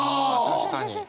確かに。